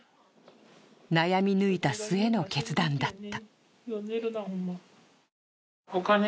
悩み抜いた末の決断だった。